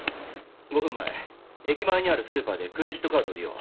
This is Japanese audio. ５分前駅前にあるスーパーでクレジットカードを利用。